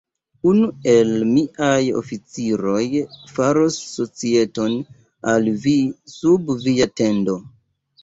Unu el miaj oficiroj faros societon al vi sub via tendo.